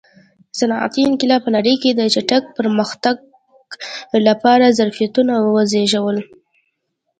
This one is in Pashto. صنعتي انقلاب په نړۍ کې د چټک پرمختګ لپاره ظرفیتونه وزېږول.